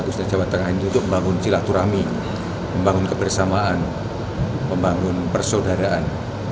khususnya jawa tengah ini untuk membangun silaturahmi membangun kebersamaan membangun persaudaraan